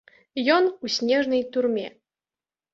Ён у снежнай турме.